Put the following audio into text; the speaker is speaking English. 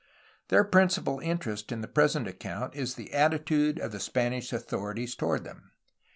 Their principal interest in the present account is the attitude of the Spanish authorities toward them.